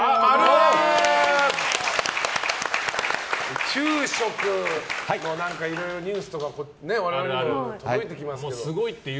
宇宙食のニュースとか我々にも届いてきますけど。